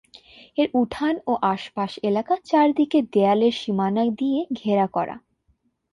এর উঠান ও আশপাশ এলাকা চারদিকে দেয়ালের সীমানা দিয়ে ঘেরা করা।